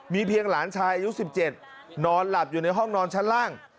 เพียงหลานชายอายุ๑๗นอนหลับอยู่ในห้องนอนชั้นล่าง